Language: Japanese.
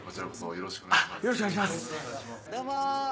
よろしくお願いします。